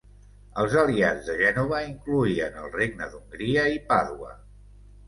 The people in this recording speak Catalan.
Els aliats de Gènova incloïen el Regne d'Hongria i Pàdua.